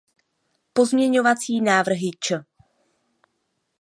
Pozměňovací návrhy č.